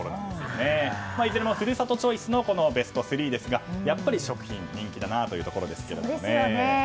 いずれも、ふるさとチョイスのベスト３ですがやっぱり食品は人気ですね。